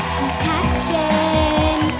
ที่ชัดเจน